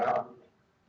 terima kasih bu